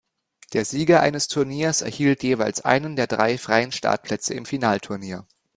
Der Sieger eines Turniers erhielt jeweils einen der drei freien Startplätze im Finalturnier.